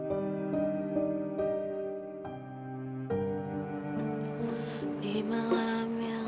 nishtaya dia akan merasa terhibur